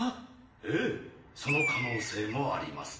ええその可能性もあります。